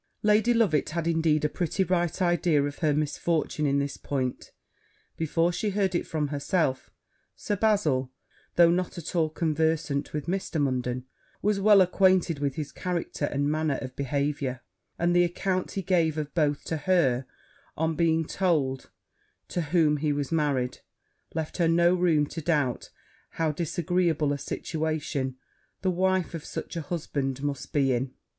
Lady Loveit had, indeed, a pretty right idea of her misfortune in this point, before she heard it from herself: Sir Bazil, though not at all conversant with Mr. Munden, was well acquainted with his character and manner of behaviour; and the account he gave of both to her on being told to whom he was married, left her no room to doubt how disagreeable a situation the wife of such a husband must be in.